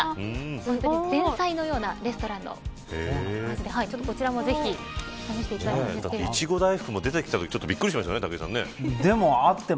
本当に前菜のようなレストランのお味でこちらもぜひ試していただきたい。